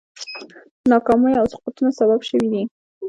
د ناکامیو او سقوطونو سبب شوي دي.